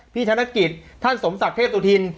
ธนกิจท่านสมศักดิ์เทพสุธิน